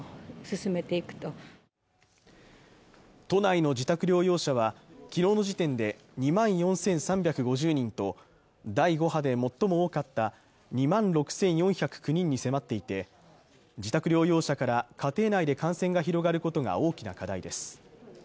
都内の自宅療養者は昨日の時点で２万４３５０人と第５波で最も多かった２万６４０９人に迫っていて、自宅療養者から家庭内で感染が広がることが大きな課題です。